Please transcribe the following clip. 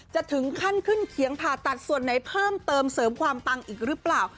จะถึงขั้นขึ้นเขียงผ่าตัดส่วนไหนเพิ่มเติมเสริมความปังอีกหรือเปล่า